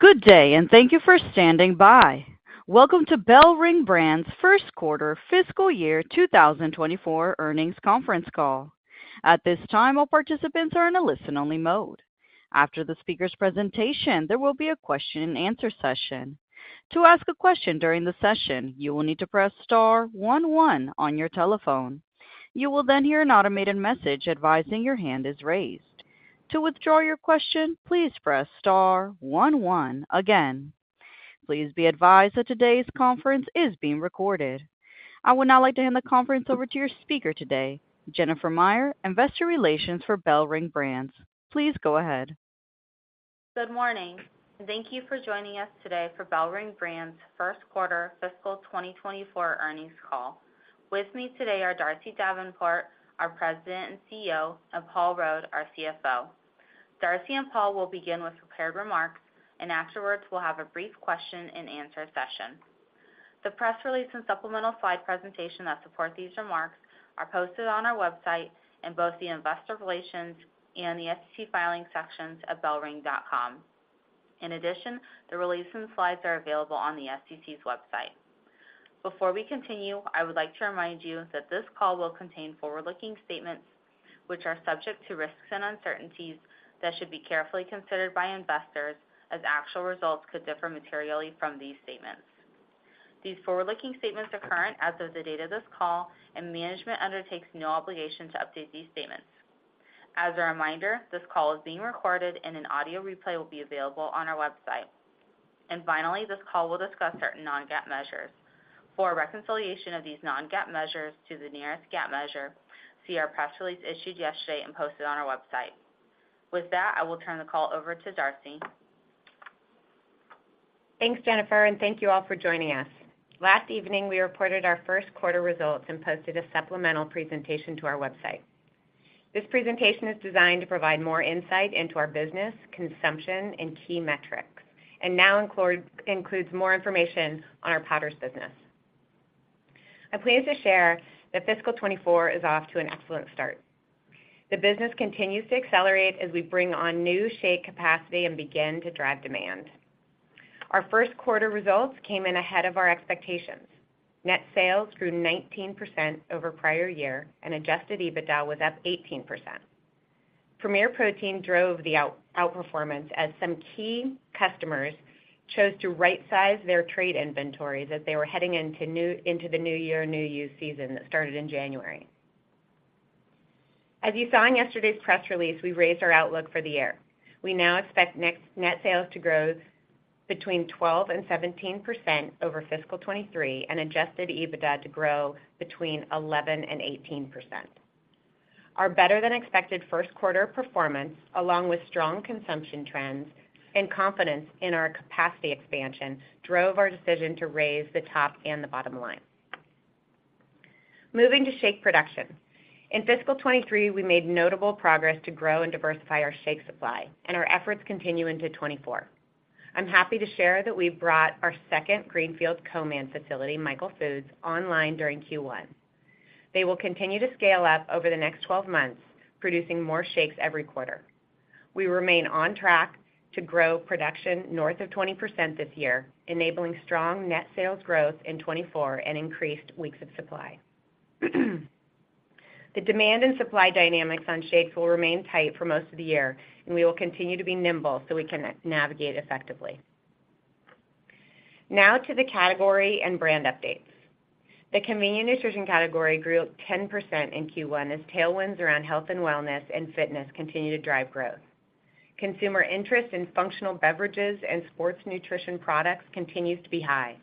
Good day, and thank you for standing by. Welcome to BellRing Brands' first quarter fiscal year 2024 earnings conference call. At this time, all participants are in a listen-only mode. After the speaker's presentation, there will be a question-and-answer session. To ask a question during the session, you will need to press star one one on your telephone. You will then hear an automated message advising your hand is raised. To withdraw your question, please press star one one again. Please be advised that today's conference is being recorded. I would now like to hand the conference over to your speaker today, Jennifer Meyer, Investor Relations for BellRing Brands. Please go ahead. Good morning, and thank you for joining us today for BellRing Brands' first quarter fiscal 2024 earnings call. With me today are Darcy Davenport, our President and CEO, and Paul Rode, our CFO. Darcy and Paul will begin with prepared remarks, and afterwards, we'll have a brief question-and-answer session. The press release and supplemental slide presentation that support these remarks are posted on our website in both the Investor Relations and the SEC Filings sections at BellRing.com. In addition, the release and slides are available on the SEC's website. Before we continue, I would like to remind you that this call will contain forward-looking statements, which are subject to risks and uncertainties that should be carefully considered by investors, as actual results could differ materially from these statements. These forward-looking statements are current as of the date of this call, and management undertakes no obligation to update these statements. As a reminder, this call is being recorded and an audio replay will be available on our website. Finally, this call will discuss certain non-GAAP measures. For a reconciliation of these non-GAAP measures to the nearest GAAP measure, see our press release issued yesterday and posted on our website. With that, I will turn the call over to Darcy. Thanks, Jennifer, and thank you all for joining us. Last evening, we reported our first quarter results and posted a supplemental presentation to our website. This presentation is designed to provide more insight into our business, consumption, and key metrics, and now includes more information on our powders business. I'm pleased to share that fiscal 2024 is off to an excellent start. The business continues to accelerate as we bring on new shake capacity and begin to drive demand. Our first quarter results came in ahead of our expectations. Net sales grew 19% over prior year, and Adjusted EBITDA was up 18%. Premier Protein drove the outperformance as some key customers chose to rightsize their trade inventory that they were heading into the New Year, New You season that started in January. As you saw in yesterday's press release, we raised our outlook for the year. We now expect net sales to grow between 12% and 17% over fiscal 2023 and adjusted EBITDA to grow between 11% and 18%. Our better-than-expected first quarter performance, along with strong consumption trends and confidence in our capacity expansion, drove our decision to raise the top and the bottom line. Moving to shake production. In fiscal 2023, we made notable progress to grow and diversify our shake supply, and our efforts continue into 2024. I'm happy to share that we've brought our second greenfield co-man facility, Michael Foods, online during Q1. They will continue to scale up over the next 12 months, producing more shakes every quarter. We remain on track to grow production north of 20% this year, enabling strong net sales growth in 2024 and increased weeks of supply. The demand and supply dynamics on shakes will remain tight for most of the year, and we will continue to be nimble so we can navigate effectively. Now to the category and brand updates. The Convenient Nutrition category grew 10% in Q1 as tailwinds around health and wellness and fitness continued to drive growth. Consumer interest in functional beverages and sports nutrition products continues to be high.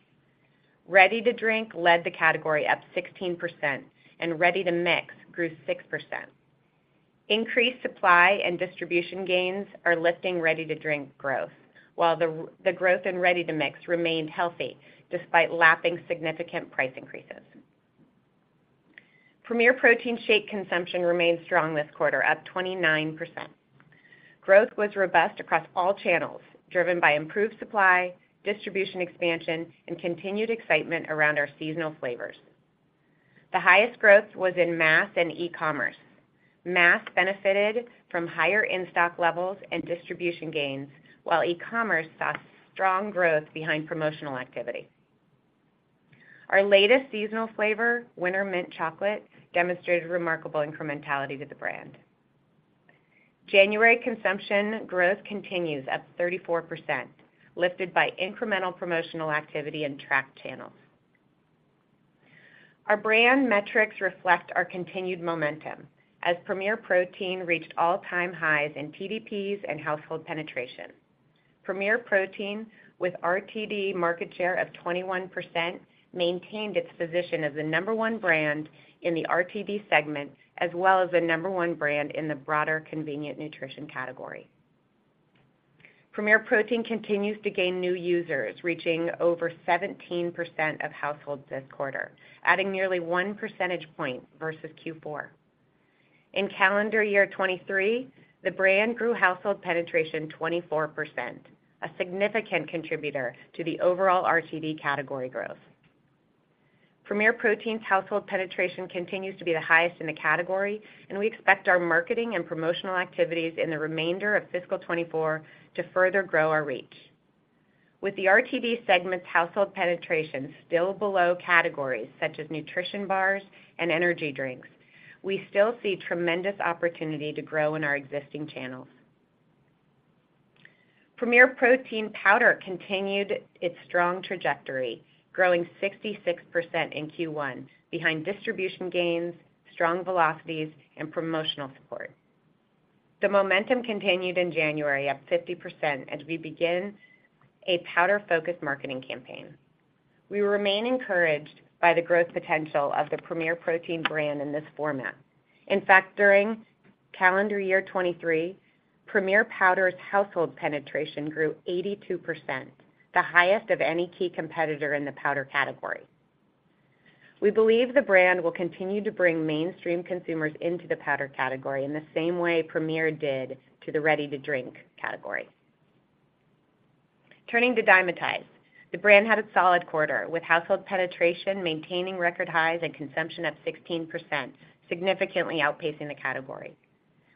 Ready-to-drink led the category up 16%, and ready-to-mix grew 6%. Increased supply and distribution gains are lifting Ready-to-drink growth, while the growth in ready-to-Mix remained healthy despite lapping significant price increases. Premier Protein shake consumption remained strong this quarter, up 29%. Growth was robust across all channels, driven by improved supply, distribution expansion, and continued excitement around our seasonal flavors. The highest growth was in mass and e-commerce. Mass benefited from higher in-stock levels and distribution gains, while e-commerce saw strong growth behind promotional activity. Our latest seasonal flavor, Winter Mint Chocolate, demonstrated remarkable incrementality to the brand. January consumption growth continues at 34%, lifted by incremental promotional activity in tracked channels. Our brand metrics reflect our continued momentum as Premier Protein reached all-time highs in TDPs and household penetration. Premier Protein, with RTD market share of 21%, maintained its position as the number one brand in the RTD segment, as well as the number one brand in the broader Convenient Nutrition category. Premier Protein continues to gain new users, reaching over 17% of households this quarter, adding nearly one percentage point versus Q4. In calendar year 2023, the brand grew household penetration 24%, a significant contributor to the overall RTD category growth.... Premier Protein's household penetration continues to be the highest in the category, and we expect our marketing and promotional activities in the remainder of fiscal 2024 to further grow our reach. With the RTD segment's household penetration still below categories such as nutrition bars and energy drinks, we still see tremendous opportunity to grow in our existing channels. Premier Protein Powder continued its strong trajectory, growing 66% in Q1, behind distribution gains, strong velocities, and promotional support. The momentum continued in January, up 50%, as we begin a powder-focused marketing campaign. We remain encouraged by the growth potential of the Premier Protein brand in this format. In fact, during calendar year 2023, Premier Powder's household penetration grew 82%, the highest of any key competitor in the powder category. We believe the brand will continue to bring mainstream consumers into the powder category in the same way Premier did to the ready-to-drink category. Turning to Dymatize. The brand had a solid quarter, with household penetration maintaining record highs and consumption up 16%, significantly outpacing the category.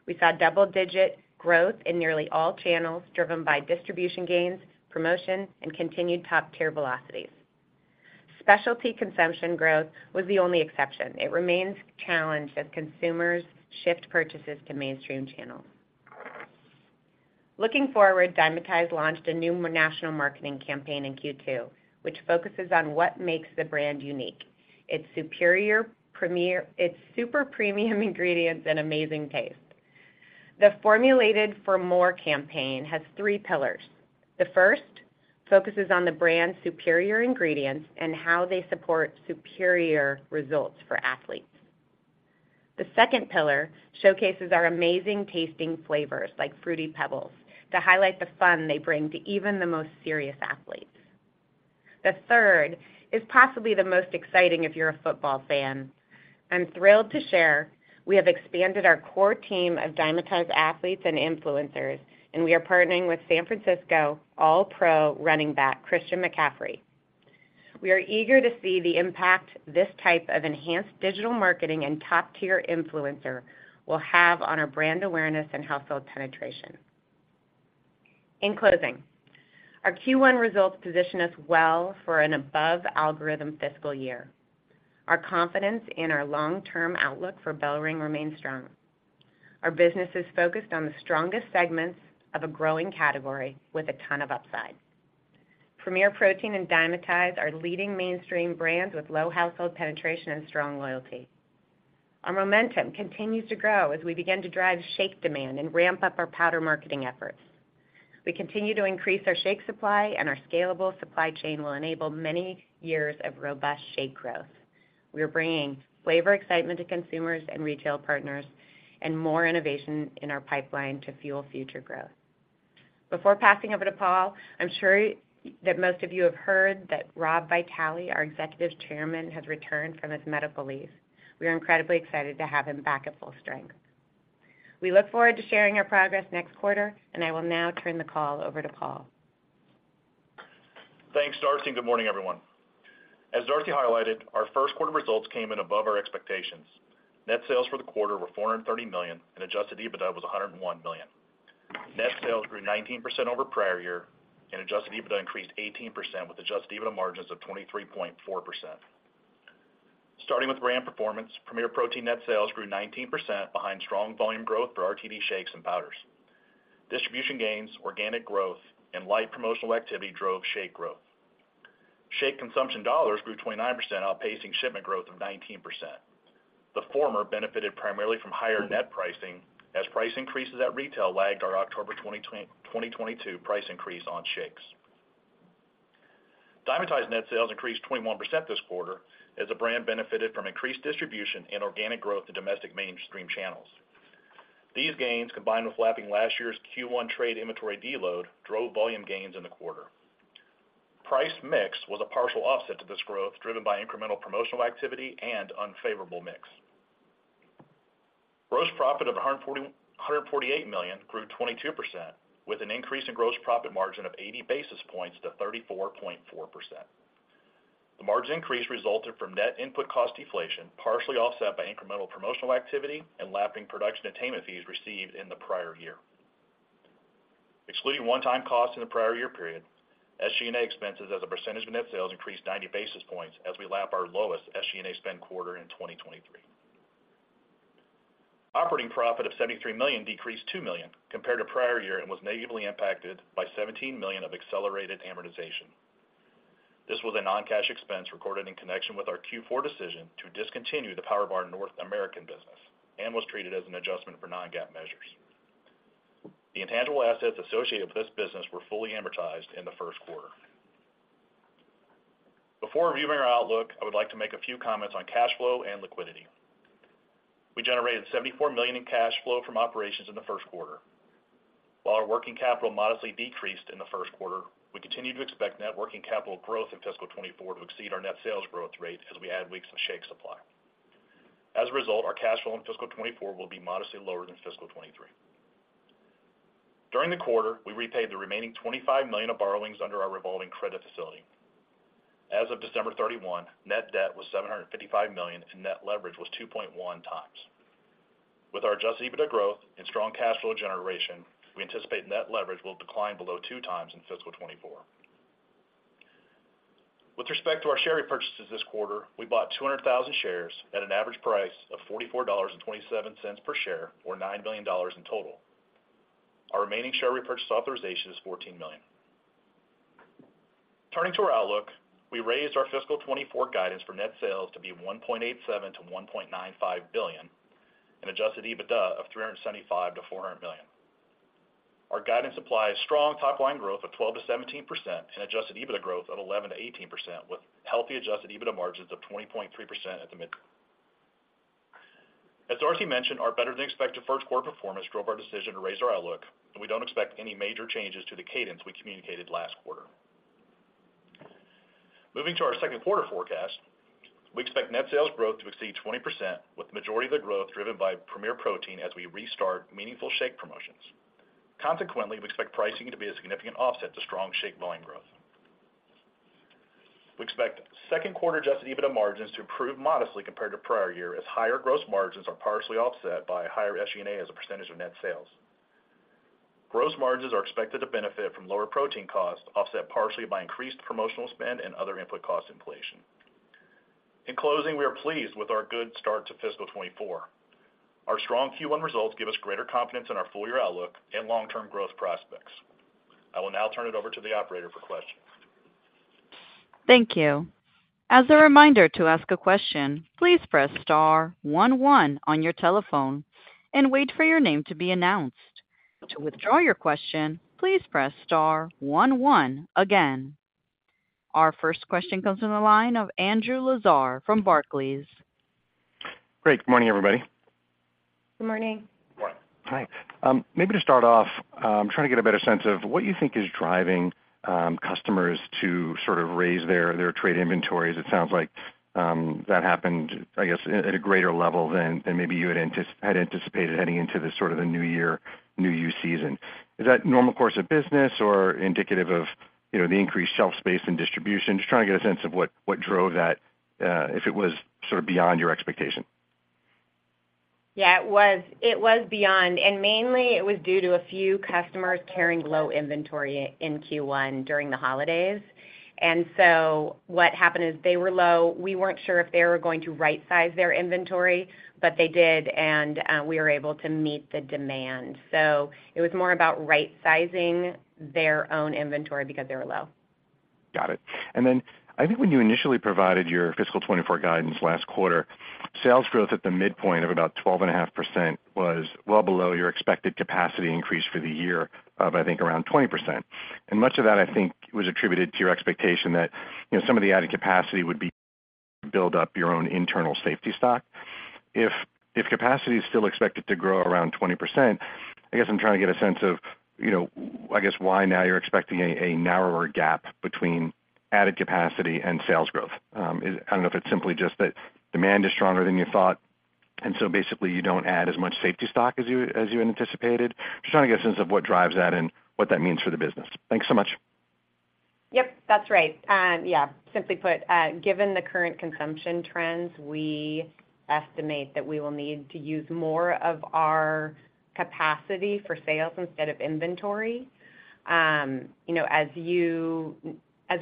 We saw double-digit growth in nearly all channels, driven by distribution gains, promotion, and continued top-tier velocities. Specialty consumption growth was the only exception. It remains challenged as consumers shift purchases to mainstream channels. Looking forward, Dymatize launched a new national marketing campaign in Q2, which focuses on what makes the brand unique, its superior super premium ingredients and amazing taste. The Formulated for More campaign has three pillars. The first focuses on the brand's superior ingredients and how they support superior results for athletes. The second pillar showcases our amazing-tasting flavors, like Fruity Pebbles, to highlight the fun they bring to even the most serious athletes. The third is possibly the most exciting if you're a football fan. I'm thrilled to share, we have expanded our core team of Dymatize athletes and influencers, and we are partnering with San Francisco All-Pro running back, Christian McCaffrey. We are eager to see the impact this type of enhanced digital marketing and top-tier influencer will have on our brand awareness and household penetration. In closing, our Q1 results position us well for an above-algorithm fiscal year. Our confidence in our long-term outlook for BellRing remains strong. Our business is focused on the strongest segments of a growing category with a ton of upside. Premier Protein and Dymatize are leading mainstream brands with low household penetration and strong loyalty. Our momentum continues to grow as we begin to drive shake demand and ramp up our powder marketing efforts. We continue to increase our shake supply and our scalable supply chain will enable many years of robust shake growth. We are bringing flavor excitement to consumers and retail partners, and more innovation in our pipeline to fuel future growth. Before passing over to Paul, I'm sure that most of you have heard that Rob Vitale, our Executive Chairman, has returned from his medical leave. We are incredibly excited to have him back at full strength. We look forward to sharing our progress next quarter, and I will now turn the call over to Paul. Thanks, Darcy, and good morning, everyone. As Darcy highlighted, our first quarter results came in above our expectations. Net sales for the quarter were $430 million, and adjusted EBITDA was $101 million. Net sales grew 19% over prior year, and adjusted EBITDA increased 18%, with adjusted EBITDA margins of 23.4%. Starting with brand performance, Premier Protein net sales grew 19% behind strong volume growth for RTD shakes and powders. Distribution gains, organic growth, and light promotional activity drove shake growth. Shake consumption dollars grew 29%, outpacing shipment growth of 19%. The former benefited primarily from higher net pricing as price increases at retail lagged our October 2022 price increase on shakes. Dymatize net sales increased 21% this quarter as the brand benefited from increased distribution and organic growth to domestic mainstream channels. These gains, combined with lapping last year's Q1 trade inventory deload, drove volume gains in the quarter. Price mix was a partial offset to this growth, driven by incremental promotional activity and unfavorable mix. Gross profit of $148 million grew 22%, with an increase in gross profit margin of 80 basis points to 34.4%. The margin increase resulted from net input cost deflation, partially offset by incremental promotional activity and lapping production attainment fees received in the prior year. Excluding one-time costs in the prior year period, SG&A expenses as a percentage of net sales increased 90 basis points as we lap our lowest SG&A spend quarter in 2023. Operating profit of $73 million decreased $2 million compared to prior year and was negatively impacted by $17 million of accelerated amortization. This was a non-cash expense recorded in connection with our Q4 decision to discontinue the PowerBar North American business and was treated as an adjustment for non-GAAP measures. The intangible assets associated with this business were fully amortized in the first quarter. Before reviewing our outlook, I would like to make a few comments on cash flow and liquidity. We generated $74 million in cash flow from operations in the first quarter. While our working capital modestly decreased in the first quarter, we continue to expect net working capital growth in fiscal 2024 to exceed our net sales growth rate as we add weeks of shake supply. As a result, our cash flow in fiscal 2024 will be modestly lower than fiscal 2023. During the quarter, we repaid the remaining $25 million of borrowings under our revolving credit facility. As of December 31, net debt was $755 million, and net leverage was 2.1 times. With our adjusted EBITDA growth and strong cash flow generation, we anticipate net leverage will decline below two times in fiscal 2024. With respect to our share repurchases this quarter, we bought 200,000 shares at an average price of $44.27 per share, or $9 million in total. Our remaining share repurchase authorization is $14 million. Turning to our outlook, we raised our fiscal 2024 guidance for net sales to be $1.87 billion-$1.95 billion, and adjusted EBITDA of $375 million-$400 million. Our guidance applies strong top line growth of 12%-17% and adjusted EBITDA growth of 11%-18%, with healthy adjusted EBITDA margins of 20.3% at the mid. As Darcy mentioned, our better-than-expected first quarter performance drove our decision to raise our outlook, and we don't expect any major changes to the cadence we communicated last quarter. Moving to our second quarter forecast, we expect net sales growth to exceed 20%, with the majority of the growth driven by Premier Protein as we restart meaningful shake promotions. Consequently, we expect pricing to be a significant offset to strong shake volume growth. We expect second quarter adjusted EBITDA margins to improve modestly compared to prior year, as higher gross margins are partially offset by higher SG&A as a percentage of net sales. Gross margins are expected to benefit from lower protein costs, offset partially by increased promotional spend and other input cost inflation. In closing, we are pleased with our good start to fiscal 2024. Our strong Q1 results give us greater confidence in our full year outlook and long-term growth prospects. I will now turn it over to the operator for questions. Thank you. As a reminder to ask a question, please press star one one on your telephone and wait for your name to be announced. To withdraw your question, please press star one one again. Our first question comes from the line of Andrew Lazar from Barclays. Great. Good morning, everybody. Good morning. Hi. Maybe to start off, trying to get a better sense of what you think is driving customers to sort of raise their trade inventories. It sounds like that happened, I guess, at a greater level than maybe you had anticipated heading into this sort of the New Year, New You season. Is that normal course of business or indicative of, you know, the increased shelf space and distribution? Just trying to get a sense of what drove that, if it was sort of beyond your expectation. Yeah, it was. It was beyond, and mainly it was due to a few customers carrying low inventory in Q1 during the holidays. And so what happened is they were low. We weren't sure if they were going to right-size their inventory, but they did, and we were able to meet the demand. So it was more about right-sizing their own inventory because they were low. Got it. Then I think when you initially provided your fiscal 2024 guidance last quarter, sales growth at the midpoint of about 12.5% was well below your expected capacity increase for the year of, I think, around 20%. Much of that, I think, was attributed to your expectation that, you know, some of the added capacity would be build up your own internal safety stock. If capacity is still expected to grow around 20%, I guess I'm trying to get a sense of, you know, I guess, why now you're expecting a narrower gap between added capacity and sales growth. I don't know if it's simply just that demand is stronger than you thought, and so basically you don't add as much safety stock as you anticipated. Just trying to get a sense of what drives that and what that means for the business. Thanks so much. Yep, that's right. Yeah, simply put, given the current consumption trends, we estimate that we will need to use more of our capacity for sales instead of inventory. You know, as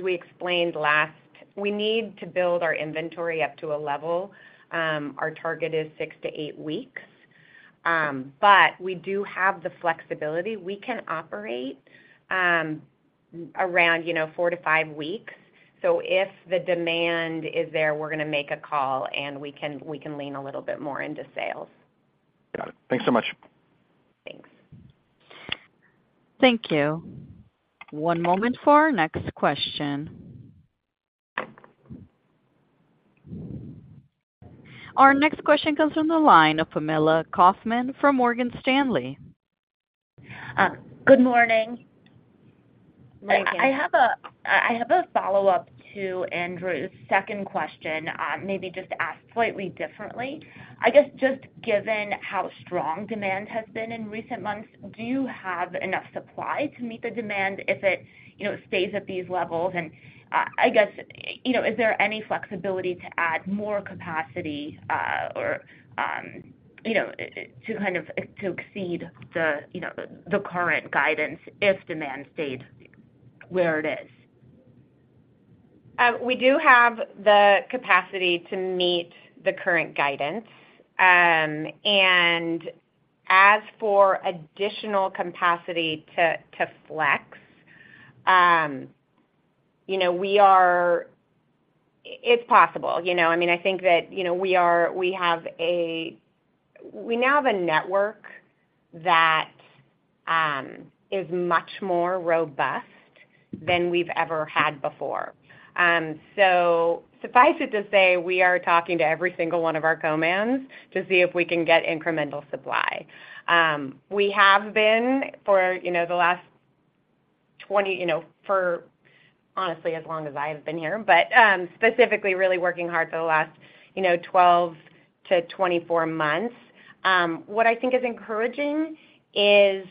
we explained last, we need to build our inventory up to a level. Our target is 6-8 weeks, but we do have the flexibility. We can operate around, you know, 4-5 weeks. So if the demand is there, we're gonna make a call, and we can lean a little bit more into sales. Got it. Thanks so much. Thanks. Thank you. One moment for our next question. Our next question comes from the line of Pamela Kaufman from Morgan Stanley. Good morning. Morning. I have a follow-up to Andrew's second question, maybe just asked slightly differently. I guess, just given how strong demand has been in recent months, do you have enough supply to meet the demand if it, you know, stays at these levels? And, I guess, you know, is there any flexibility to add more capacity, or, you know, to kind of exceed the, you know, the current guidance if demand stays where it is? We do have the capacity to meet the current guidance. And as for additional capacity to flex, you know, it's possible. You know, I mean, I think that, you know, we now have a network that is much more robust than we've ever had before. So suffice it to say, we are talking to every single one of our co-mans to see if we can get incremental supply. We have been for, you know, the last 20, you know, for honestly, as long as I have been here, but specifically really working hard for the last, you know, 12-24 months. What I think is encouraging is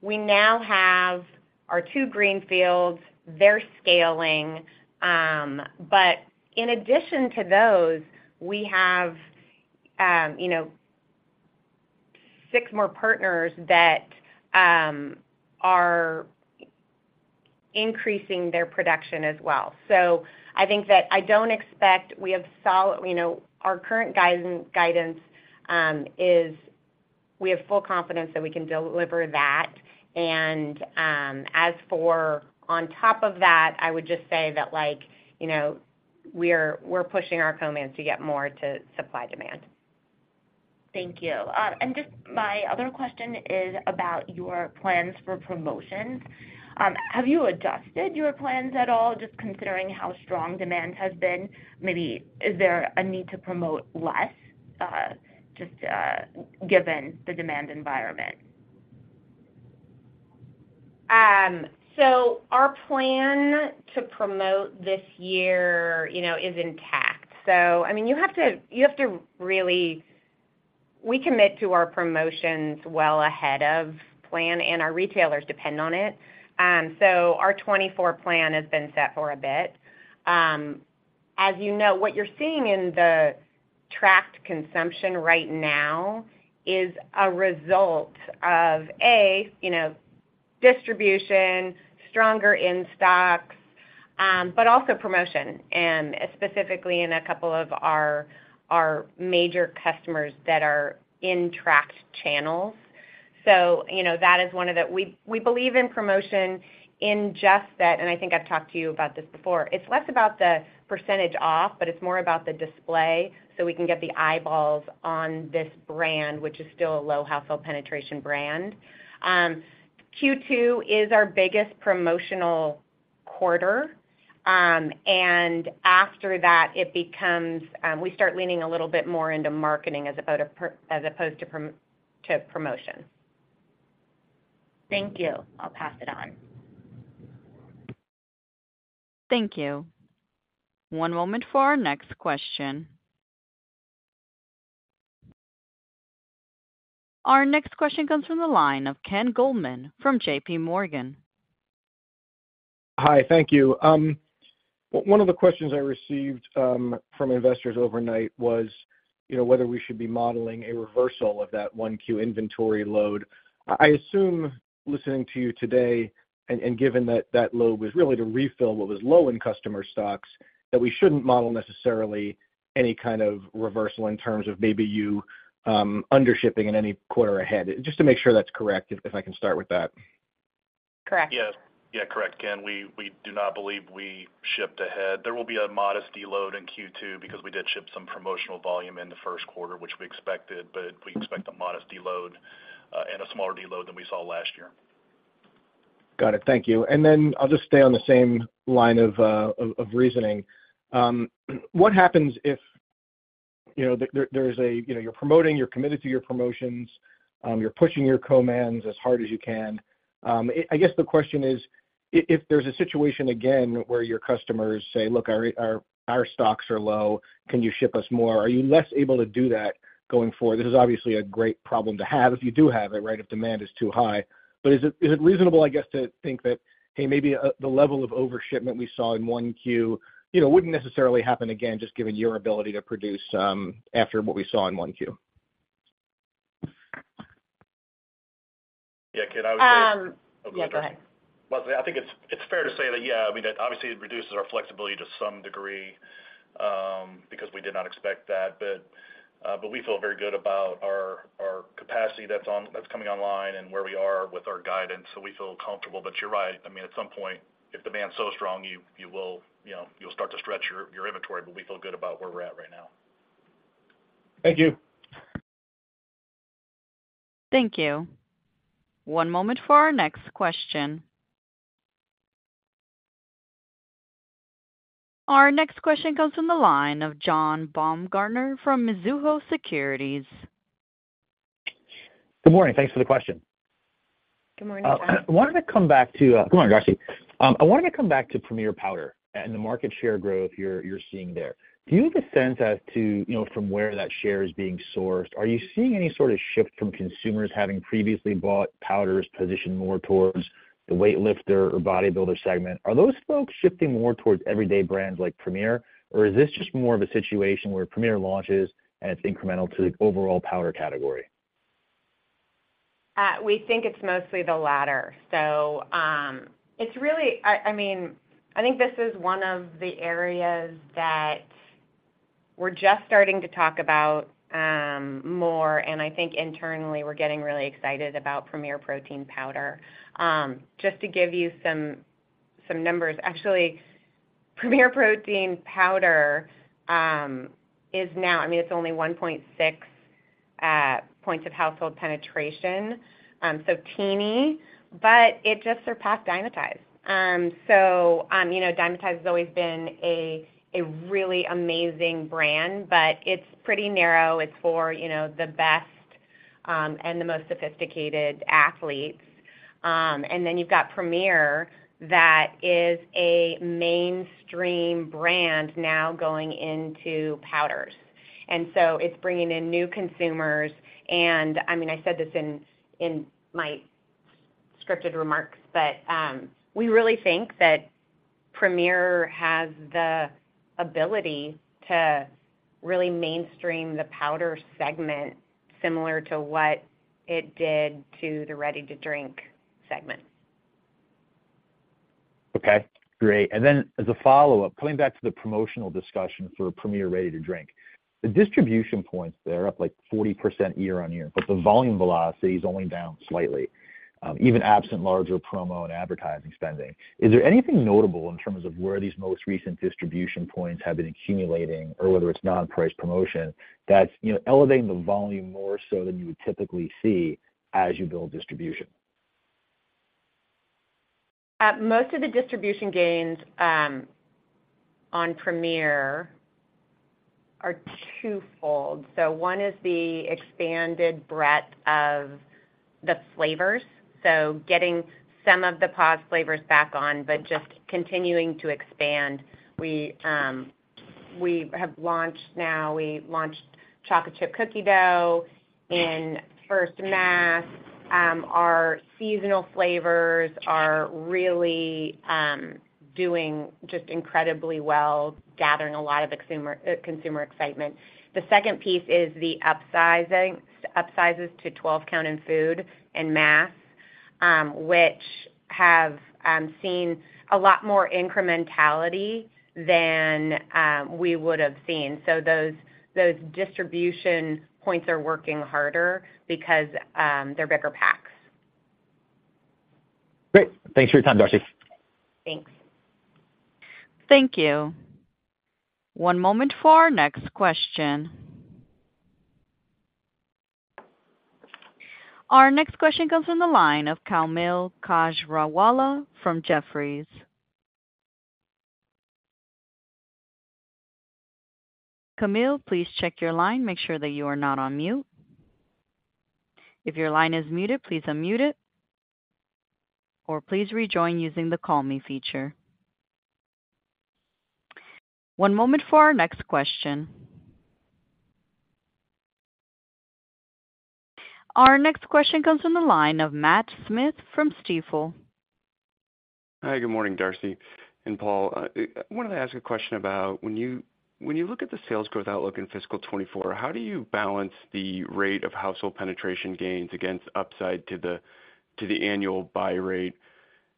we now have our two greenfields, they're scaling, but in addition to those, we have, you know, six more partners that are increasing their production as well. So I think that I don't expect we have solid... You know, our current guidance is we have full confidence that we can deliver that, and, as for on top of that, I would just say that, like, you know, we're pushing our co-mans to get more to supply demand. Thank you. And just my other question is about your plans for promotions. Have you adjusted your plans at all, just considering how strong demand has been? Maybe is there a need to promote less, just given the demand environment? So our plan to promote this year, you know, is intact. So, I mean, you have to, you have to really, we commit to our promotions well ahead of plan, and our retailers depend on it. So our 2024 plan has been set for a bit. As you know, what you're seeing in the tracked consumption right now is a result of, A, you know, distribution, stronger in stocks, but also promotion, and specifically in a couple of our, our major customers that are in tracked channels. So, you know, that is one of the... We, we believe in promotion in just that, and I think I've talked to you about this before. It's less about the percentage off, but it's more about the display, so we can get the eyeballs on this brand, which is still a low household penetration brand. Q2 is our biggest promotional quarter, and after that, it becomes, we start leaning a little bit more into marketing as opposed to promotion. Thank you. I'll pass it on. Thank you. One moment for our next question. Our next question comes from the line of Ken Goldman from JPMorgan. Hi, thank you. One of the questions I received from investors overnight was, you know, whether we should be modeling a reversal of that one Q inventory load. I assume, listening to you today and given that that load was really to refill what was low in customer stocks, that we shouldn't model necessarily any kind of reversal in terms of maybe you under shipping in any quarter ahead. Just to make sure that's correct, if I can start with that. Correct. Yes. Yeah, correct, Ken. We do not believe we shipped ahead. There will be a modest deload in Q2 because we did ship some promotional volume in the first quarter, which we expected, but we expect a modest deload and a smaller deload than we saw last year. Got it. Thank you. And then I'll just stay on the same line of of reasoning. What happens if, you know, there's a, you know, you're promoting, you're committed to your promotions, you're pushing your co-mans as hard as you can. I guess the question is, if there's a situation again, where your customers say: Look, our stocks are low, can you ship us more? Are you less able to do that going forward? This is obviously a great problem to have if you do have it, right, if demand is too high. But is it reasonable, I guess, to think that, hey, maybe, the level of overshipment we saw in 1Q, you know, wouldn't necessarily happen again, just given your ability to produce, after what we saw in 1Q? Yeah, Ken, I would say- Yeah, go ahead. Well, I think it's fair to say that, yeah, I mean, that obviously it reduces our flexibility to some degree, because we did not expect that, but we feel very good about our capacity that's coming online and where we are with our guidance, so we feel comfortable. But you're right. I mean, at some point, if demand's so strong, you will, you know, you'll start to stretch your inventory, but we feel good about where we're at right now. Thank you. Thank you. One moment for our next question. Our next question comes from the line of John Baumgartner from Mizuho Securities. Good morning. Thanks for the question. Good morning, John. I wanted to come back to... Good morning, actually. I wanted to come back to Premier Powder and the market share growth you're, you're seeing there. Do you have a sense as to, you know, from where that share is being sourced? Are you seeing any sort of shift from consumers having previously bought powders positioned more towards the weightlifter or bodybuilder segment? Are those folks shifting more towards everyday brands like Premier, or is this just more of a situation where Premier launches and it's incremental to the overall powder category? We think it's mostly the latter. So, it's really... I mean, I think this is one of the areas that we're just starting to talk about more, and I think internally, we're getting really excited about Premier Protein Powder. Just to give you some numbers, actually, Premier Protein Powder is now—I mean, it's only 1.6 points of household penetration, so teeny, but it just surpassed Dymatize. So, you know, Dymatize has always been a really amazing brand, but it's pretty narrow. It's for, you know, the best... and the most sophisticated athletes. And then you've got Premier, that is a mainstream brand now going into powders. And so it's bringing in new consumers, and, I mean, I said this in my scripted remarks, but we really think that Premier has the ability to really mainstream the powder segment, similar to what it did to the ready-to-drink segment. Okay, great. And then as a follow-up, coming back to the promotional discussion for Premier ready-to-drink. The distribution points there are up, like, 40% year-on-year, but the volume velocity is only down slightly, even absent larger promo and advertising spending. Is there anything notable in terms of where these most recent distribution points have been accumulating, or whether it's non-price promotion, that's, you know, elevating the volume more so than you would typically see as you build distribution? Most of the distribution gains on Premier are twofold. One is the expanded breadth of the flavors, so getting some of the paused flavors back on, but just continuing to expand. We have launched now—we launched Chocolate Chip Cookie Dough in first mass. Our seasonal flavors are really doing just incredibly well, gathering a lot of consumer excitement. The second piece is the upsizing, upsizes to 12-count in food and mass, which have seen a lot more incrementality than we would have seen. Those distribution points are working harder because they're bigger packs. Great. Thanks for your time, Darcy. Thanks. Thank you. One moment for our next question. Our next question comes from the line of Kaumil Gajrawala from Jefferies. Kaumil, please check your line. Make sure that you are not on mute. If your line is muted, please unmute it, or please rejoin using the call me feature. One moment for our next question. Our next question comes from the line of Matt Smith from Stifel. Hi, good morning, Darcy and Paul. I wanted to ask a question about when you look at the sales growth outlook in fiscal 2024, how do you balance the rate of household penetration gains against upside to the annual buy rate?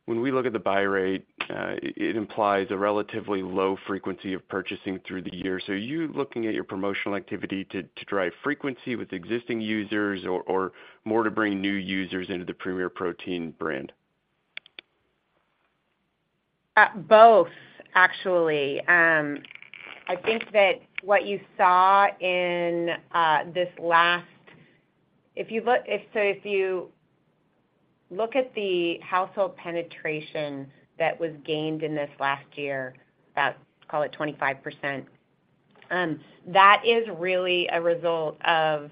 When we look at the buy rate, it implies a relatively low frequency of purchasing through the year. So are you looking at your promotional activity to drive frequency with existing users or more to bring new users into the Premier Protein brand? Both, actually. I think that what you saw in this last year. If you look at the household penetration that was gained in this last year, about, call it 25%, that is really a result of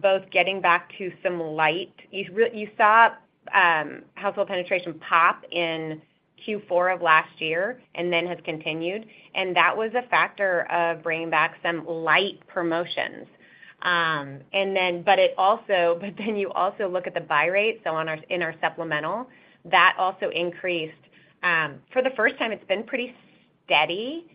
both getting back to some light. You saw household penetration pop in Q4 of last year and then has continued, and that was a factor of bringing back some light promotions. And then, but it also, but then you also look at the buy rate, so in our supplemental, that also increased. For the first time, it's been pretty steady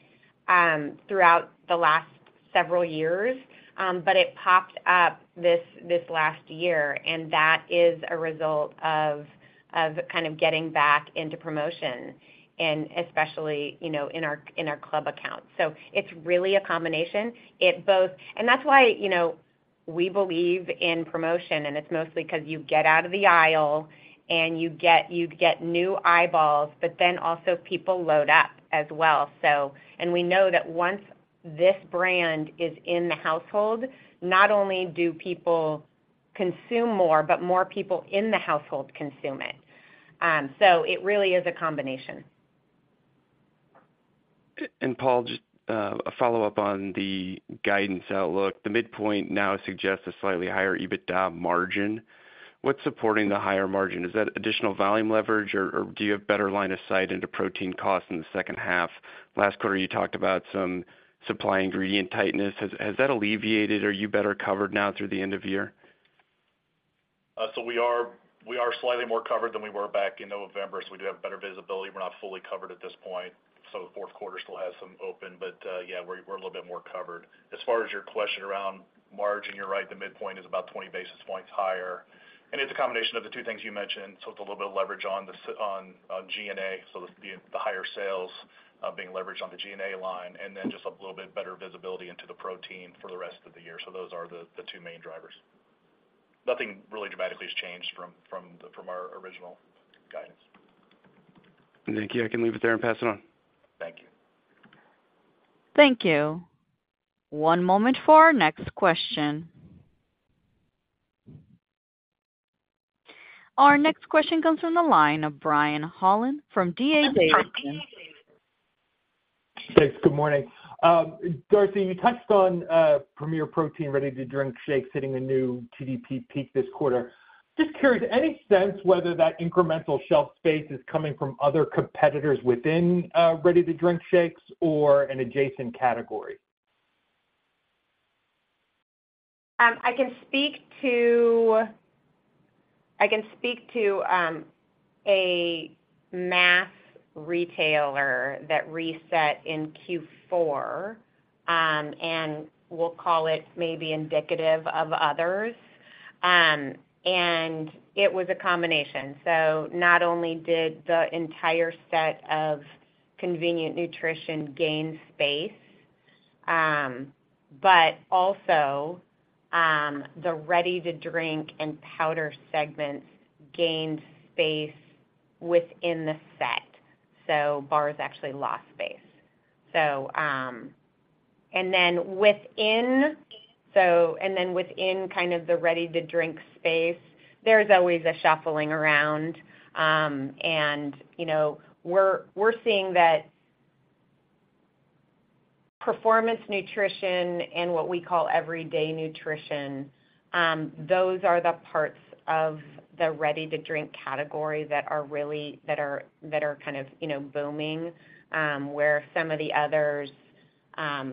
throughout the last several years, but it popped up this last year, and that is a result of kind of getting back into promotion, and especially, you know, in our club accounts. So it's really a combination. And that's why, you know, we believe in promotion, and it's mostly because you get out of the aisle and you get new eyeballs, but then also people load up as well, so... And we know that once this brand is in the household, not only do people consume more, but more people in the household consume it. So it really is a combination. Paul, just a follow-up on the guidance outlook. The midpoint now suggests a slightly higher EBITDA margin. What's supporting the higher margin? Is that additional volume leverage, or do you have better line of sight into protein costs in the second half? Last quarter, you talked about some supply ingredient tightness. Has that alleviated? Are you better covered now through the end of year? So we are, we are slightly more covered than we were back in November, so we do have better visibility. We're not fully covered at this point, so the fourth quarter still has some open, but yeah, we're, we're a little bit more covered. As far as your question around margin, you're right, the midpoint is about 20 basis points higher, and it's a combination of the two things you mentioned. So it's a little bit of leverage on the SG&A, so the higher sales being leveraged on the SG&A line, and then just a little bit better visibility into the protein for the rest of the year. So those are the two main drivers. Nothing really dramatically has changed from our original guidance. Thank you. I can leave it there and pass it on. Thank you. Thank you. One moment for our next question. Our next question comes from the line of Brian Holland from D.A. Davidson. Thanks. Good morning. Darcy, you touched on Premier Protein ready-to-drink shakes hitting a new TDP peak this quarter. Just curious, any sense whether that incremental shelf space is coming from other competitors within ready-to-drink shakes or an adjacent category? I can speak to a mass retailer that reset in Q4, and we'll call it maybe indicative of others. It was a combination. So not only did the entire set of Convenient Nutrition gain space, but also the ready-to-drink and powder segments gained space within the set, so bars actually lost space. And then within kind of the ready-to-drink space, there's always a shuffling around. And, you know, we're seeing that performance nutrition and what we call everyday nutrition, those are the parts of the ready-to-drink category that are really kind of you know booming, where some of the others,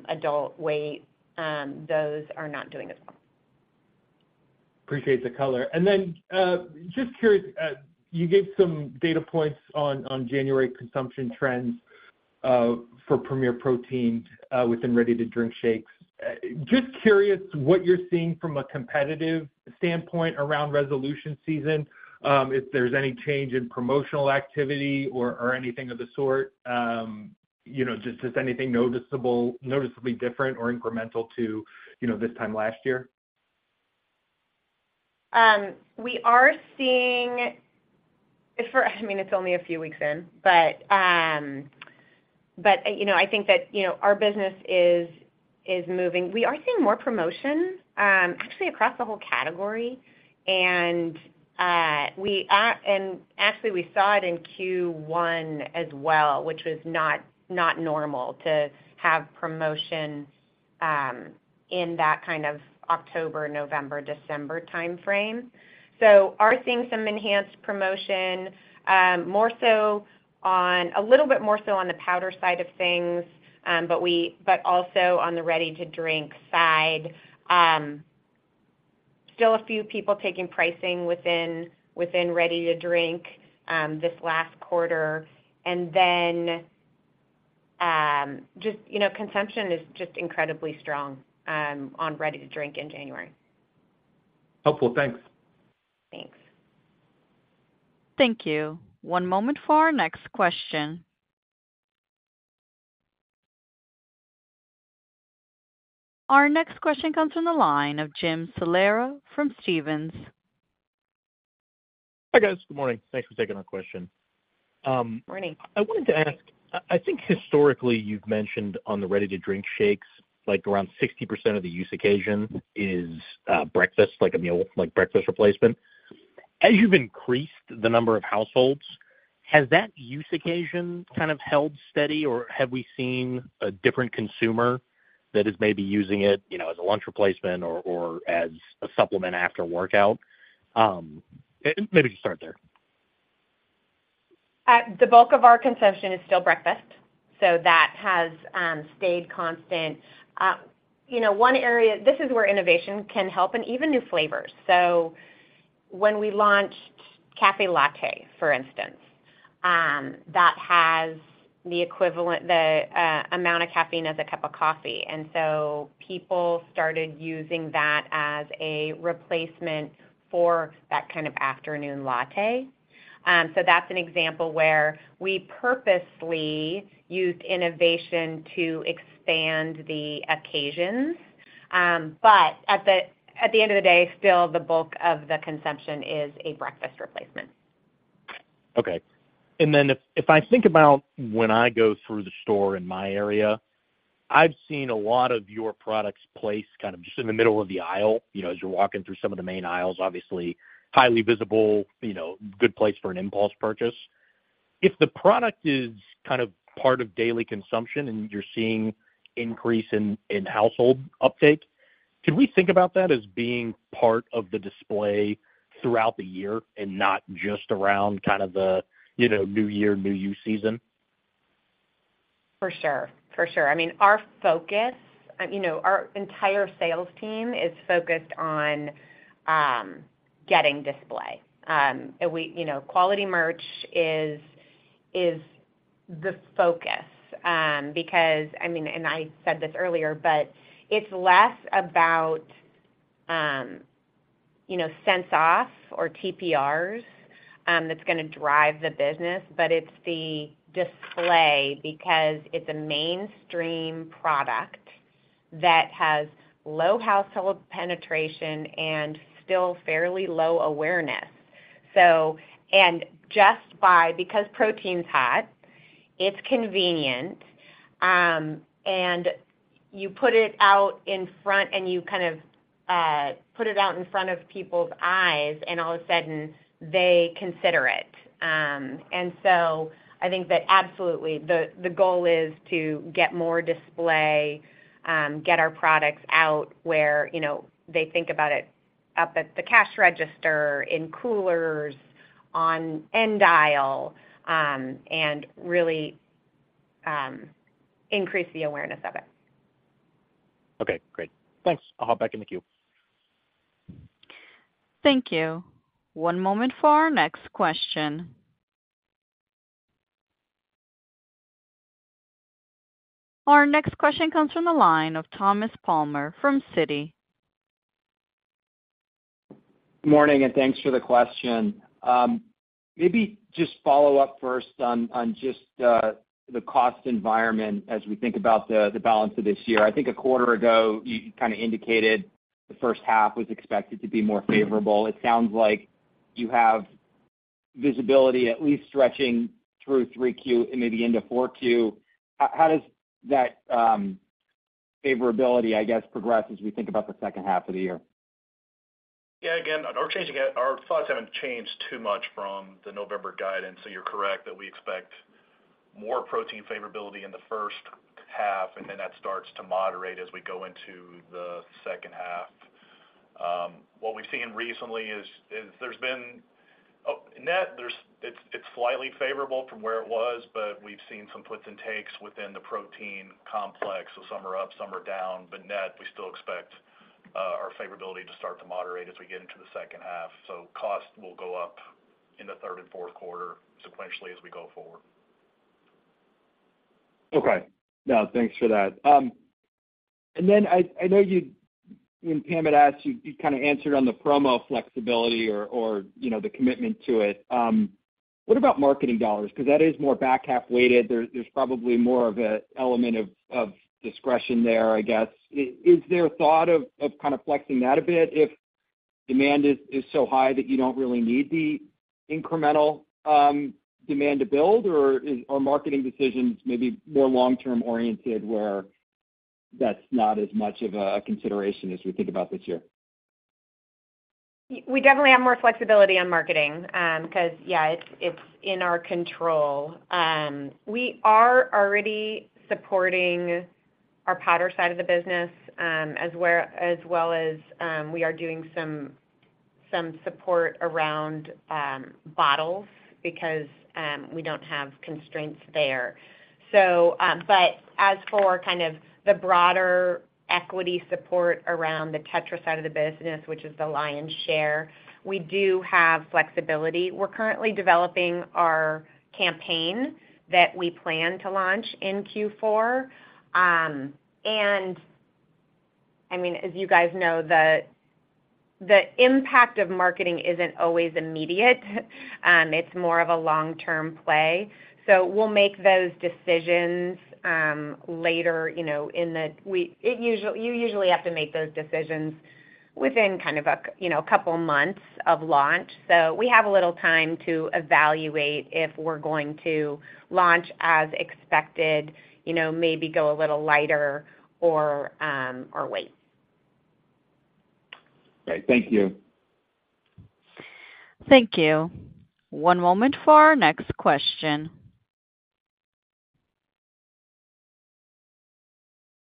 adult weight, those are not doing as well. Appreciate the color. And then, just curious, you gave some data points on January consumption trends for Premier Protein within ready-to-drink shakes. Just curious what you're seeing from a competitive standpoint around resolution season, if there's any change in promotional activity or anything of the sort. You know, just is anything noticeable, noticeably different or incremental to, you know, this time last year? I mean, it's only a few weeks in, but, you know, I think that, you know, our business is moving. We are seeing more promotion, actually across the whole category. And actually, we saw it in Q1 as well, which was not normal to have promotion in that kind of October, November, December time frame. So are seeing some enhanced promotion, more so on a little bit more so on the powder side of things, but also on the ready-to-drink side. Still a few people taking pricing within ready-to-drink this last quarter. And then, just, you know, consumption is just incredibly strong on ready-to-drink in January. Helpful. Thanks. Thanks. Thank you. One moment for our next question. Our next question comes from the line of Jim Salera from Stephens. Hi, guys. Good morning. Thanks for taking our question. Good morning. I wanted to ask, I think historically, you've mentioned on the ready-to-drink shakes, like around 60% of the use occasion is breakfast, like a meal, like breakfast replacement. As you've increased the number of households, has that use occasion kind of held steady, or have we seen a different consumer that is maybe using it, you know, as a lunch replacement or as a supplement after a workout? Maybe just start there. The bulk of our consumption is still breakfast, so that has stayed constant. You know, one area. This is where innovation can help and even new flavors. So when we launched Café Latte, for instance, that has the equivalent, the amount of caffeine as a cup of coffee, and so people started using that as a replacement for that kind of afternoon latte. So that's an example where we purposely used innovation to expand the occasions. But at the, at the end of the day, still the bulk of the consumption is a breakfast replacement. Okay. And then if I think about when I go through the store in my area, I've seen a lot of your products placed kind of just in the middle of the aisle, you know, as you're walking through some of the main aisles, obviously, highly visible, you know, good place for an impulse purchase. If the product is kind of part of daily consumption and you're seeing increase in household uptake, could we think about that as being part of the display throughout the year and not just around kind of the, you know, new year, new you season? For sure. For sure. I mean, our focus, you know, our entire sales team is focused on getting display. We, you know, quality merch is the focus, because, I mean, and I said this earlier, but it's less about, you know, cents off or TPRs, that's gonna drive the business, but it's the display because it's a mainstream product that has low household penetration and still fairly low awareness. So, and just by... Because protein's hot. It's convenient, and you put it out in front, and you kind of put it out in front of people's eyes, and all of a sudden they consider it. I think that absolutely, the goal is to get more display, get our products out where, you know, they think about it up at the cash register, in coolers, on end aisle, and really increase the awareness of it. Okay, great. Thanks. I'll hop back in the queue. Thank you. One moment for our next question. Our next question comes from the line of Thomas Palmer from Citi. Morning, and thanks for the question. Maybe just follow up first on just the cost environment as we think about the balance of this year. I think a quarter ago, you kind of indicated the first half was expected to be more favorable. It sounds like you have visibility at least stretching through three Q and maybe into four Q. How does that favorability, I guess, progress as we think about the second half of the year? Yeah, again, our thoughts haven't changed too much from the November guidance. So you're correct that we expect more protein favorability in the first half, and then that starts to moderate as we go into the second half. What we've seen recently is there's been net, it's slightly favorable from where it was, but we've seen some puts and takes within the protein complex, so some are up, some are down. But net, we still expect our favorability to start to moderate as we get into the second half. So cost will go up in the third and fourth quarter sequentially as we go forward. Okay. No, thanks for that. And then I know you, when Pam had asked, you kind of answered on the promo flexibility or, you know, the commitment to it. What about marketing dollars? Because that is more back half weighted. There's probably more of an element of discretion there, I guess. Is there a thought of kind of flexing that a bit if demand is so high that you don't really need the incremental demand to build, or are marketing decisions maybe more long-term oriented where that's not as much of a consideration as we think about this year? We definitely have more flexibility on marketing, because, yeah, it's in our control. We are already supporting our powder side of the business, as well as we are doing some support around bottles because we don't have constraints there. So but as for kind of the broader equity support around the Tetra side of the business, which is the lion's share, we do have flexibility. We're currently developing our campaign that we plan to launch in Q4. And I mean, as you guys know, the impact of marketing isn't always immediate. It's more of a long-term play. So we'll make those decisions later, you know, you usually have to make those decisions within kind of a, you know, couple months of launch. We have a little time to evaluate if we're going to launch as expected, you know, maybe go a little lighter or or wait. Great. Thank you. Thank you. One moment for our next question.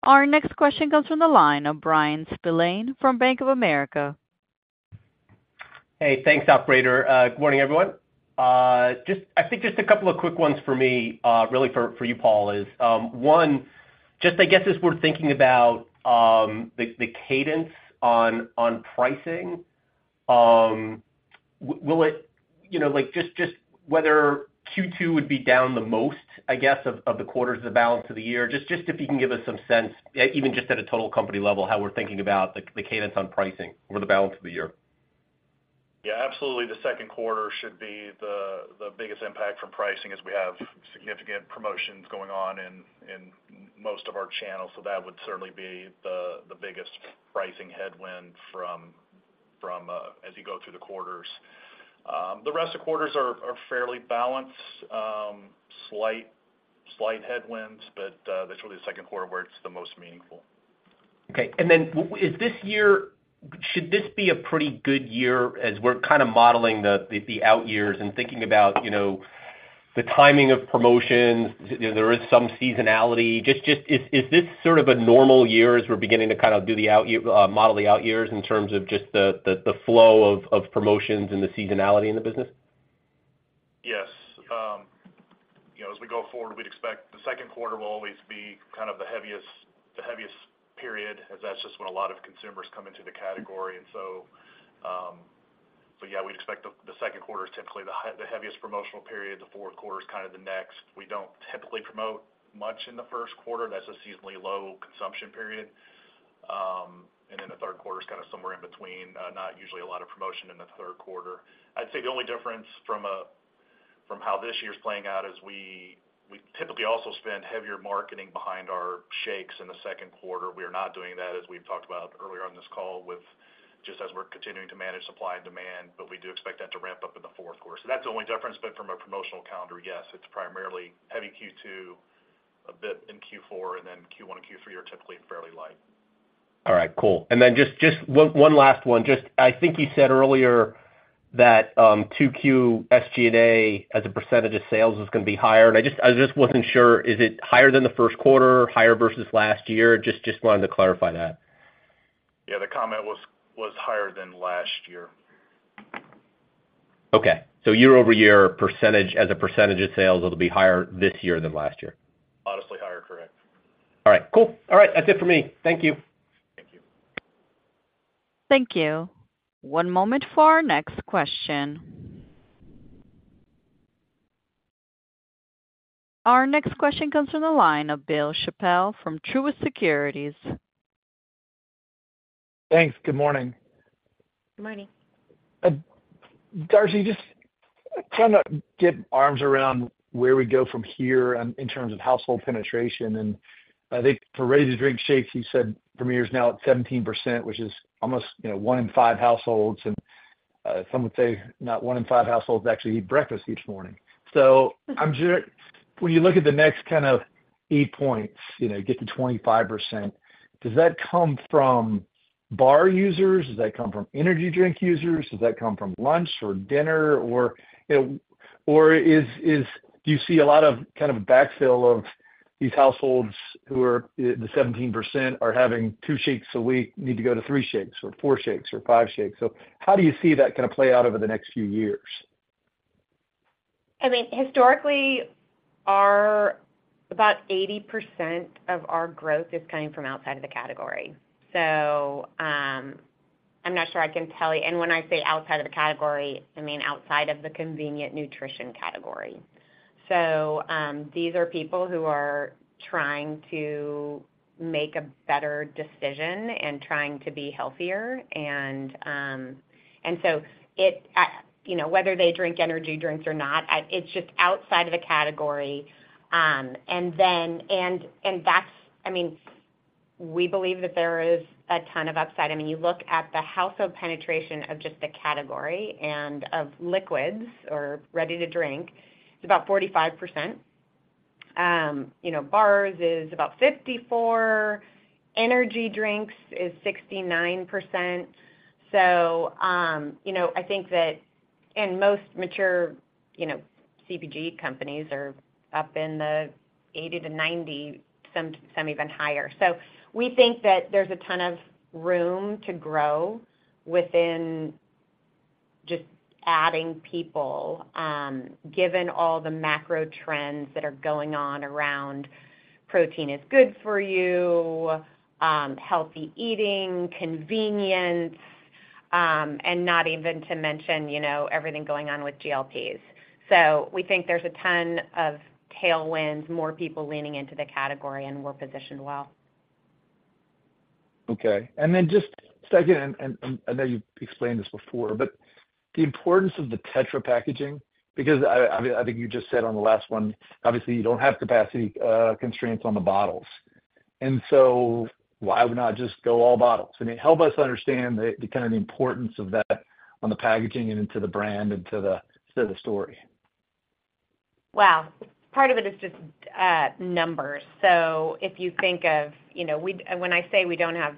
Our next question comes from the line of Bryan Spillane from Bank of America. Hey, thanks, operator. Good morning, everyone. Just, I think, just a couple of quick ones for me, really for you, Paul. Is one, just I guess, as we're thinking about the cadence on pricing, will it, you know, like, just whether Q2 would be down the most, I guess, of the quarters of the balance of the year? Just if you can give us some sense, even just at a total company level, how we're thinking about the cadence on pricing over the balance of the year. Yeah, absolutely. The second quarter should be the biggest impact from pricing as we have significant promotions going on in most of our channels. So that would certainly be the biggest pricing headwind from as you go through the quarters. The rest of quarters are fairly balanced, slight headwinds, but that's really the second quarter where it's the most meaningful. Okay. And then is this year—should this be a pretty good year as we're kind of modeling the out years and thinking about, you know, the timing of promotions? You know, there is some seasonality. Just, is this sort of a normal year as we're beginning to kind of do the out year model the out years in terms of just the flow of promotions and the seasonality in the business? Yes. You know, as we go forward, we'd expect the second quarter will always be kind of the heaviest, the heaviest period, as that's just when a lot of consumers come into the category. And so, so yeah, we'd expect the second quarter is typically the heaviest promotional period. The fourth quarter is kind of the next. We don't typically promote much in the first quarter. That's a seasonally low consumption period. And then the third quarter is kind of somewhere in between. Not usually a lot of promotion in the third quarter. I'd say the only difference from from how this year is playing out is we typically also spend heavier marketing behind our shakes in the second quarter. We are not doing that, as we've talked about earlier on this call, with-... just as we're continuing to manage supply and demand, but we do expect that to ramp up in the fourth quarter. So that's the only difference, but from a promotional calendar, yes, it's primarily heavy Q2, a bit in Q4, and then Q1 and Q3 are typically fairly light. All right, cool. And then just, just one last one. Just, I think you said earlier that, 2Q SG&A as a percentage of sales is gonna be higher. And I just, I just wasn't sure, is it higher than the first quarter, higher versus last year? Just, just wanted to clarify that. Yeah, the comment was higher than last year. Okay, so year-over-year percentage, as a percentage of sales, it'll be higher this year than last year. Honestly, higher, correct. All right, cool. All right, that's it for me. Thank you. Thank you. Thank you. One moment for our next question. Our next question comes from the line of Bill Chappell from Truist Securities. Thanks. Good morning. Good morning. Darcy, just trying to get arms around where we go from here in terms of household penetration, and I think for ready-to-drink shakes, you said Premier's now at 17%, which is almost, you know, one in five households, and some would say not one in five households actually eat breakfast each morning. So I'm cur-- when you look at the next kind of eight points, you know, get to 25%, does that come from bar users? Does that come from energy drink users? Does that come from lunch or dinner? Or, you know, or is, is... Do you see a lot of kind of backfill of these households who are, the 17%, are having two shakes a week, need to go to three shakes or four shakes or five shakes? How do you see that gonna play out over the next few years? I mean, historically, our about 80% of our growth is coming from outside of the category. So, I'm not sure I can tell you. And when I say outside of the category, I mean outside of the Convenient Nutrition category. So, these are people who are trying to make a better decision and trying to be healthier. And so it, you know, whether they drink energy drinks or not, it's just outside of the category. And then, that's, I mean, we believe that there is a ton of upside. I mean, you look at the household penetration of just the category and of liquids or Ready-to-Drink, it's about 45%. You know, bars is about 54, energy drinks is 69%. So, you know, I think that... Most mature, you know, CPG companies are up in the 80-90, some, some even higher. So we think that there's a ton of room to grow within just adding people, given all the macro trends that are going on around protein is good for you, healthy eating, convenience, and not even to mention, you know, everything going on with GLPs. So we think there's a ton of tailwinds, more people leaning into the category, and we're positioned well. Okay. And then just second, and I know you've explained this before, but the importance of the Tetra Pak packaging, because I think you just said on the last one, obviously you don't have capacity constraints on the bottles. And so why would not just go all bottles? I mean, help us understand the kind of the importance of that on the packaging and to the brand and to the story. Well, part of it is just numbers. So if you think of, you know, when I say we don't have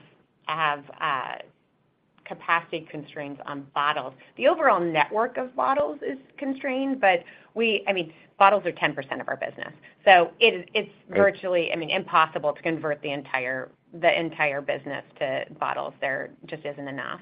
capacity constraints on bottles, the overall network of bottles is constrained, but we... I mean, bottles are 10% of our business, so it's virtually- Right. I mean, impossible to convert the entire business to bottles. There just isn't enough.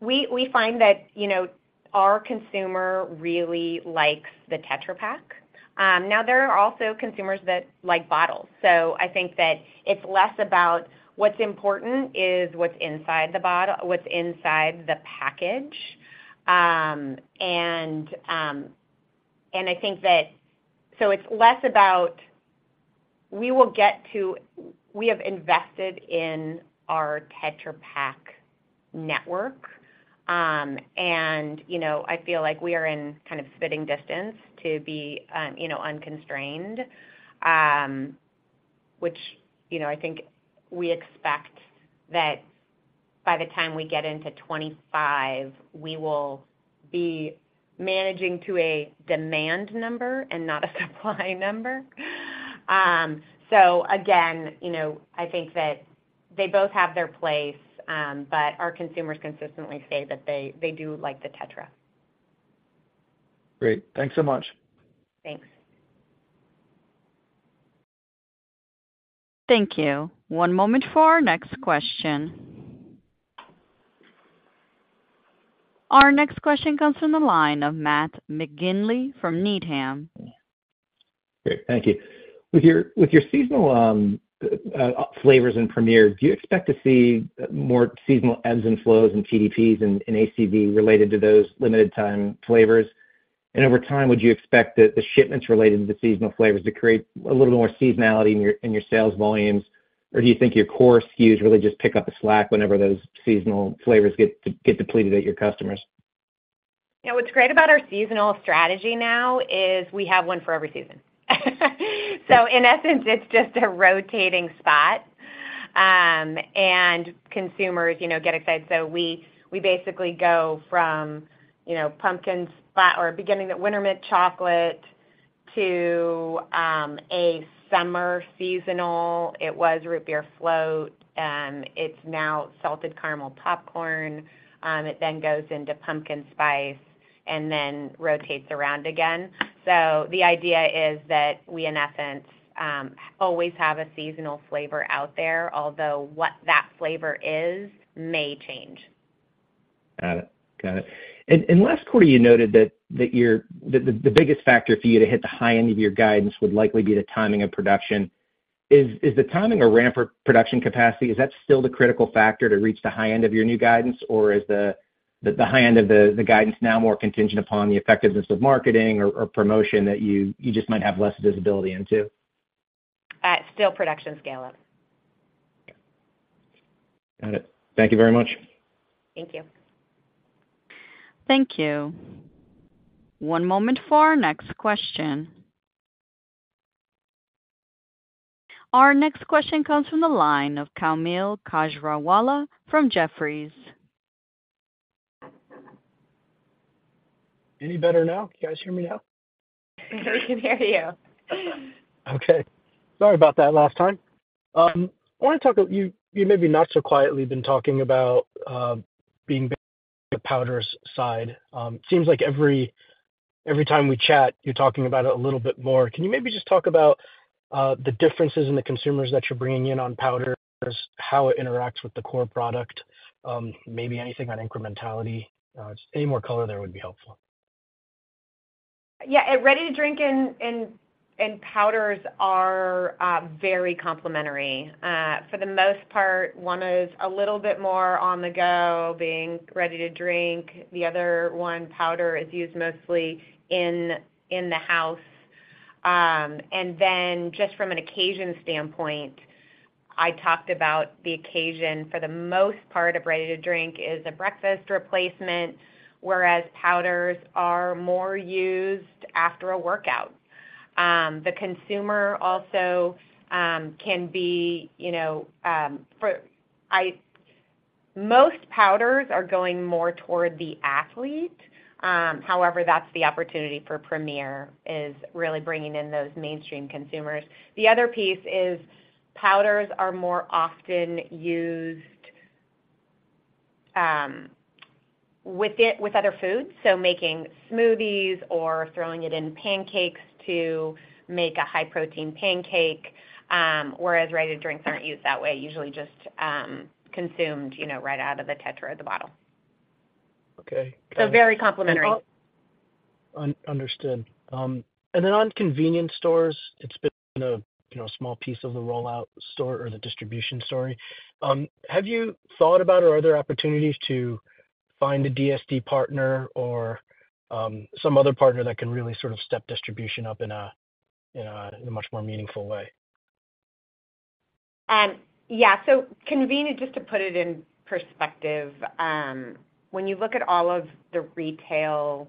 We find that, you know, our consumer really likes the Tetra Pak. Now there are also consumers that like bottles. So I think that it's less about. What's important is what's inside the bottle, what's inside the package. And I think that so it's less about. We will get to—we have invested in our Tetra Pak network, and, you know, I feel like we are in kind of spitting distance to be, you know, unconstrained. Which, you know, I think we expect that by the time we get into 25, we will be managing to a demand number and not a supply number. So again, you know, I think that they both have their place, but our consumers consistently say that they, they do like the Tetra. Great. Thanks so much. Thanks. Thank you. One moment for our next question. Our next question comes from the line of Matt McGinley from Needham. Great, thank you. With your seasonal flavors in Premier, do you expect to see more seasonal ebbs and flows in TDPs and ACV related to those limited time flavors? And over time, would you expect the shipments related to the seasonal flavors to create a little more seasonality in your sales volumes? Or do you think your core SKUs really just pick up the slack whenever those seasonal flavors get depleted at your customers?... You know, what's great about our seasonal strategy now is we have one for every season. So in essence, it's just a rotating spot, and consumers, you know, get excited. So we basically go from, you know, or beginning at Winter Mint Chocolate to a summer seasonal. It was Root Beer Float, it's now Salted Caramel Popcorn. It then goes into Pumpkin Spice and then rotates around again. So the idea is that we, in essence, always have a seasonal flavor out there, although what that flavor is may change. Got it. Got it. And last quarter, you noted that your—the biggest factor for you to hit the high end of your guidance would likely be the timing of production. Is the timing or ramp or production capacity still the critical factor to reach the high end of your new guidance? Or is the high end of the guidance now more contingent upon the effectiveness of marketing or promotion that you just might have less visibility into? Still production scale-up. Got it. Thank you very much. Thank you. Thank you. One moment for our next question. Our next question comes from the line of Kaumil Gajrawala from Jefferies. Any better now? Can you guys hear me now? We can hear you. Okay. Sorry about that last time. I want to talk about... You maybe not so quietly been talking about being the powders side. Seems like every time we chat, you're talking about it a little bit more. Can you maybe just talk about the differences in the consumers that you're bringing in on powders, how it interacts with the core product, maybe anything on incrementality? Just any more color there would be helpful. Yeah, ready-to-drink and powders are very complementary. For the most part, one is a little bit more on the go, being ready-to-drink. The other one, powder, is used mostly in the house. And then just from an occasion standpoint, I talked about the occasion for the most part of ready-to-drink is a breakfast replacement, whereas powders are more used after a workout. The consumer also can be, you know, most powders are going more toward the athlete. However, that's the opportunity for Premier, is really bringing in those mainstream consumers. The other piece is powders are more often used, with other foods, so making smoothies or throwing it in pancakes to make a high-protein pancake, whereas ready-to-drinks aren't used that way, usually just consumed, you know, right out of the Tetra or the bottle. Okay. So very complementary. Understood. And then on convenience stores, it's been a you know small piece of the rollout store or the distribution story. Have you thought about or are there opportunities to find a DSD partner or some other partner that can really sort of step distribution up in a much more meaningful way? Yeah. So convenient, just to put it in perspective, when you look at all of the retail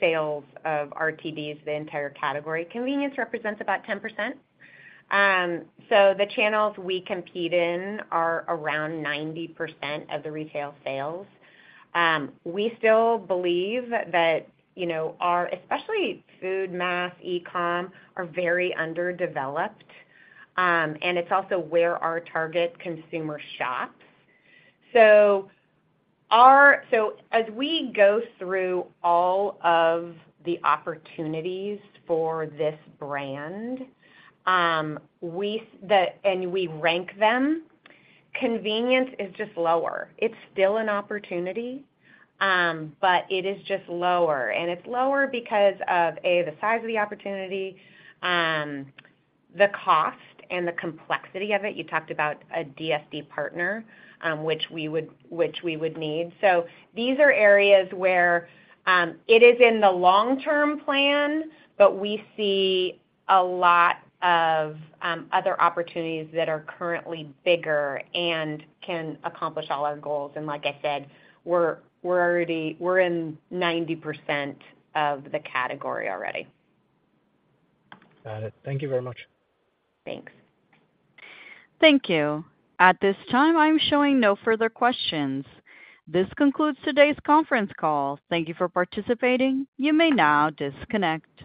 sales of RTDs, the entire category, convenience represents about 10%. So the channels we compete in are around 90% of the retail sales. We still believe that, you know, our, especially food, mass, e-com, are very underdeveloped, and it's also where our target consumer shops. So as we go through all of the opportunities for this brand, we and we rank them, convenience is just lower. It's still an opportunity, but it is just lower. And it's lower because of, A, the size of the opportunity, the cost and the complexity of it. You talked about a DSD partner, which we would, which we would need. So these are areas where it is in the long-term plan, but we see a lot of other opportunities that are currently bigger and can accomplish all our goals. And like I said, we're already in 90% of the category already. Got it. Thank you very much. Thanks. Thank you. At this time, I'm showing no further questions. This concludes today's conference call. Thank you for participating. You may now disconnect.